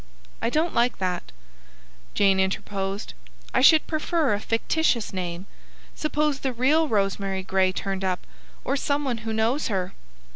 "I don't like that," Jane interposed. "I should prefer a fictitious name. Suppose the real Rosemary Gray turned up, or some one who knows her."